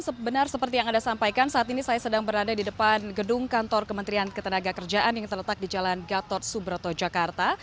sebenar seperti yang anda sampaikan saat ini saya sedang berada di depan gedung kantor kementerian ketenaga kerjaan yang terletak di jalan gatot subroto jakarta